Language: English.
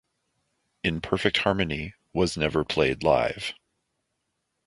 "In Perfect Harmony" was never played live.